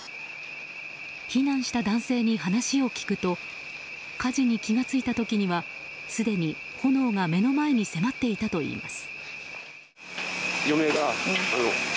避難した男性に話を聞くと火事に気がづいた時にはすでに炎が目の前に迫っていたといいます。